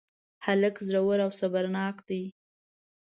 هلک زړور او صبرناک دی.